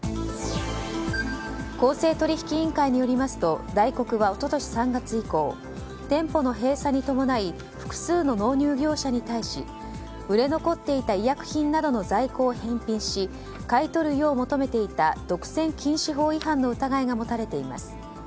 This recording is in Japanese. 公正取引委員会によりますとダイコクは一昨年３月以降店舗の閉鎖に伴い複数の納入業者に対し売れ残っていた医薬品などの在庫を返品し買い取るよう求めていた独占禁止法違反の疑いが持たれています。